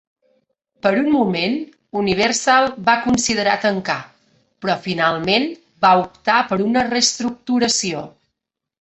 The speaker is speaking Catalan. Per un moment, Universal va considerar tancar, però finalment va optar per una reestructuració.